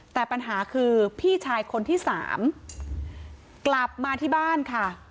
แต่ปัญหาคือพี่ชายคนที่สามกลับมาที่บ้านค่ะ